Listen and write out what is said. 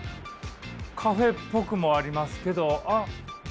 カフェっぽくもありますけどあっ！